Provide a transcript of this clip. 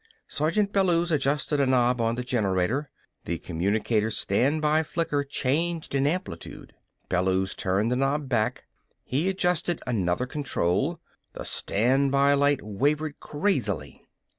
Sergeant Bellews adjusted a knob on the generator. The communicator's standby flicker changed in amplitude. Bellews turned the knob back. He adjusted another control. The standby light wavered crazily.